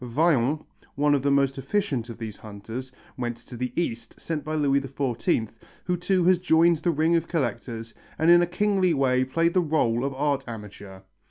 Vaillant, one of the most efficient of these hunters, went to the East, sent by Louis XIV, who too has joined the ring of collectors and in a kingly way played the rôle of art amateur.